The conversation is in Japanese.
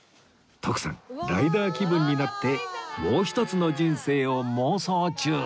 徳さんライダー気分になってもう一つの人生を妄想中